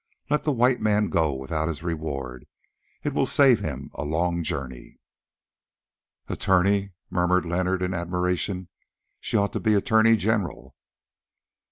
Let the White Man go without his reward, it will save him a long journey." "Attorney!" murmured Leonard in admiration; "she ought to be Attorney General."